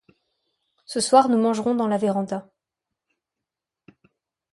Ce soir nous mangerons dans la véranda.